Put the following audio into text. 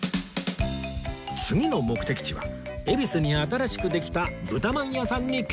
次の目的地は恵比寿に新しくできた豚まん屋さんに決定